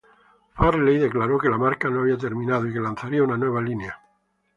Farley declaró que la marca no había terminado y que lanzaría una nueva línea.